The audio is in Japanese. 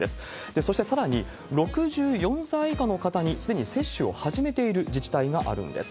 そして、さらに６４歳以下の方に、すでに接種を始めている自治体があるんです。